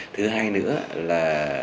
thứ hai nữa là